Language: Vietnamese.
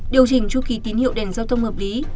điều chỉnh chu kỳ tín hiệu đèn giao thông hợp lý